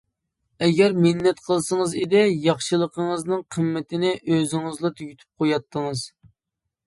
ئەگەر مىننەت قىلسىڭىز ئىدى، ياخشىلىقىڭىزنىڭ قىممىتىنى ئۆزىڭىزلا تۈگىتىپ قوياتتىڭىز.